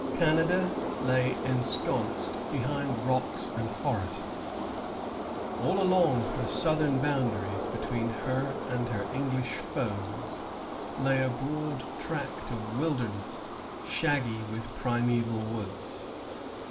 Canada lay ensconced behind rocks and forests. All along her southern boundaries, between her and her English foes, lay a broad tract of wilderness, shaggy with primeval woods.